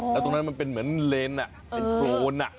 แล้วตรงนั้นมันเป็นเหมือนเลนเป็นโครน